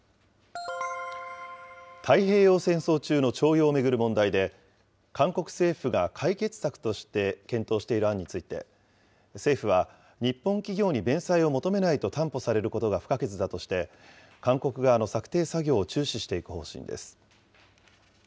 太平洋戦争中の徴用を巡る問題で、韓国政府が解決策として検討している案について、政府は、日本企業に弁済を求めないと担保されることが不可欠だとして、韓国側の策定作業を注視していく方針です。